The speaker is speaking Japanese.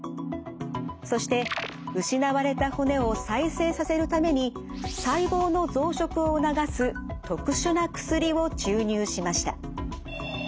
そして失われた骨を再生させるために細胞の増殖を促す特殊な薬を注入しました。